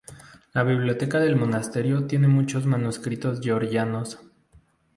La biblioteca del monasterio contiene muchos manuscritos georgianos.